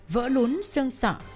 vỡ lún xương sọ